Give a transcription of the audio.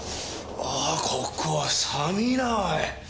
ああここは寒ぃなおい。